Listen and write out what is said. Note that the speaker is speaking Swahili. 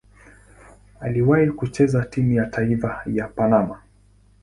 Aliwahi kucheza timu ya taifa ya Panama.